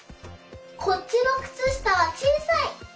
こっちのくつしたはちいさい。